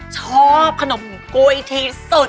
ชอบขนมกุ้ยที่สุด